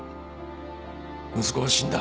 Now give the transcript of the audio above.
息子は死んだ